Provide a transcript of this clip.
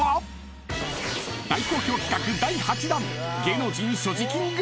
［大好評企画第８弾］